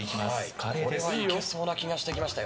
これはいけそうな気がしますよ。